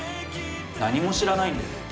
何も知らないんだよ。